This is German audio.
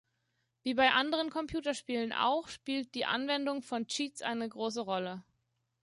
Wie bei anderen Computerspielen auch spielt die Anwendung von Cheats eine große Rolle.